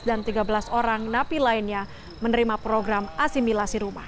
dan tiga belas orang napi lainnya menerima program asimilasi rumah